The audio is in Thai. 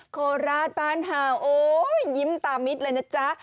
โคราชบ้านเห่าโอ้ยยิ้มตามิดเลยนะจ๊ะ